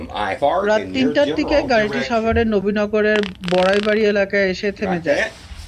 রাত তিনটার দিকে গাড়িটি সাভারের নবীনগরের বড়াইবাড়ি এলাকায় এসে থেমে যায়।